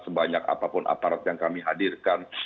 sebanyak apapun aparat yang kami hadirkan